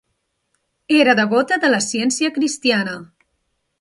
Era devota de la ciència cristiana.